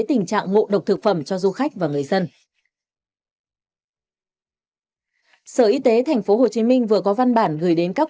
tình trạng ngộ độc thực phẩm cho du khách và người dân sở y tế tp hcm vừa có văn bản gửi đến các